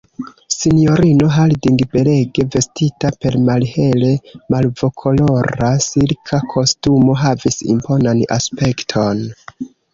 Sinjorino Harding, belege vestita per malhele malvokolora, silka kostumo, havis imponan aspekton.